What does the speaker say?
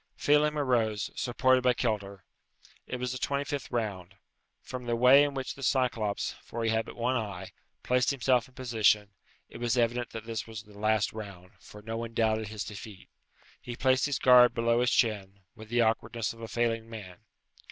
Phelem arose, supported by Kilter. It was the twenty fifth round. From the way in which this Cyclops, for he had but one eye, placed himself in position, it was evident that this was the last round, for no one doubted his defeat. He placed his guard below his chin, with the awkwardness of a failing man.